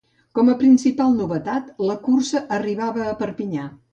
Com a principal novetat, la cursa arribava a Perpinyà.